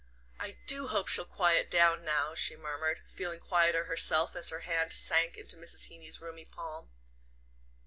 "I do hope she'll quiet down now," she murmured, feeling quieter herself as her hand sank into Mrs. Heeny's roomy palm.